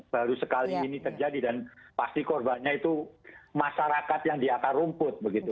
baru sekali ini terjadi dan pasti korbannya itu masyarakat yang di akar rumput begitu